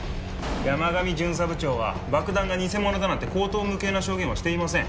山上巡査部長は爆弾が偽物だなんて荒唐無稽な証言はしていません。